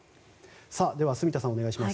では住田さん、お願いします。